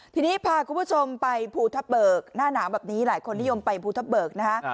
ทีนี้พาคุณผู้ชมไปภูทับเบิกหน้าหนาวแบบนี้หลายคนนิยมไปภูทับเบิกนะฮะ